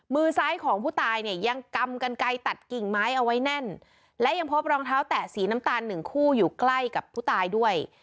มือซ้ายของผู้ตายเนี่ยยังกำกันไกลตัดกิ่งไม้เอาไว้แน่นและยังพบรองเท้าแตะสีน้ำตาลหนึ่งคู่อยู่ใกล้กับผู้ตายด้วย